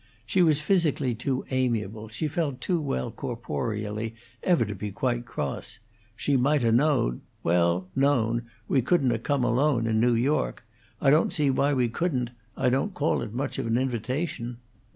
She was physically too amiable, she felt too well corporeally, ever to be quite cross. "She might 'a' knowed well known we couldn't 'a' come alone, in New York. I don't see why we couldn't. I don't call it much of an invitation."